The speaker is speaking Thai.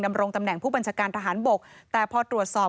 ดำรงตำแหน่งผู้บัญชาการทหารบกแต่พอตรวจสอบ